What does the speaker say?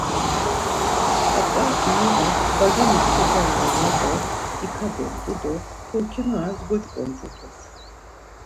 Ǩart̆a inuvas Bageni p̌ǩodare ya do ikadamt̆u do purkinoras goç̌ǩondut̆u.